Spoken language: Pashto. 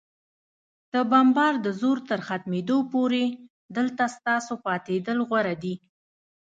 د بمبار د زور تر ختمېدو پورې، دلته ستاسو پاتېدل غوره دي.